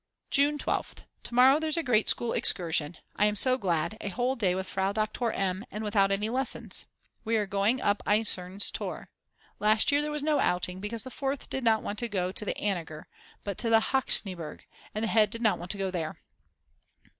June 12th. To morrow there's a great school excursion; I am so glad, a whole day with Frau Doktor M. and without any lessons. We are going up Eisernes Tor. Last year there was no outing, because the Fourth did not want to go to the Anninger, but to the Hochschneeberg, and the Head did not want to go there.